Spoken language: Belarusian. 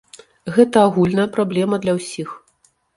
Гэта агульная праблема для ўсіх.